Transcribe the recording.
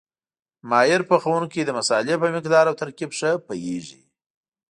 ماهر پخوونکی د مسالې په مقدار او ترکیب ښه پوهېږي.